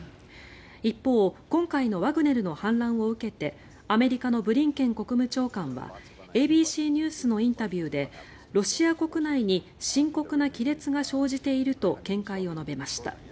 一方今回のワグネルの反乱を受けてアメリカのブリンケン国務長官はＡＢＣニュースのインタビューでロシア国内に深刻な亀裂が生じていると見解を述べました。